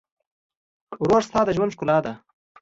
ورور ستا د ژوند ښکلا ده.